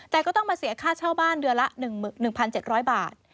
แต่ก็ต้องมาเสียค่าเช่าบ้านเดือนละ๑๗๐๐บาท